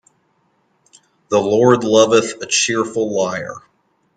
The Lord loveth a cheerful liar.